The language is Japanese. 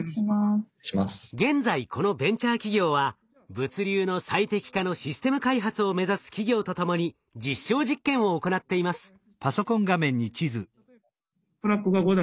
現在このベンチャー企業は物流の最適化のシステム開発を目指す企業と共に実証実験を行っています。